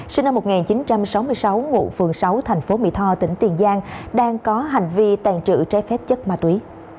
sinh năm một nghìn chín trăm sáu mươi sáu ngụ phường sáu thành phố mỹ tho tỉnh tiền giang đang có hành vi tàn trự trái phép chất ma túy